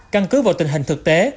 căn cứ vào tình hình thực tế